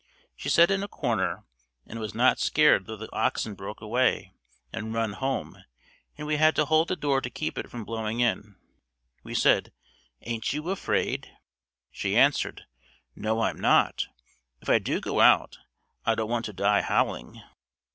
She set in a corner and was not scared though the oxen broke away and run home and we had to hold the door to keep it from blowing in. We said, "Ain't you afraid?" She answered, "No, I'm not, if I do go out, I don't want to die howling."